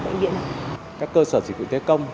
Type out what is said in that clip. bệnh viện các cơ sở dịch vụ thế công